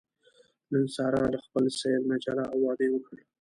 نن ساره له خپل سېل نه جلا او واده یې وکړ.